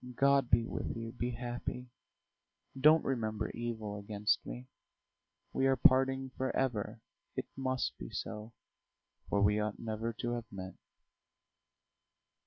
"God be with you; be happy. Don't remember evil against me. We are parting forever it must be so, for we ought never to have met.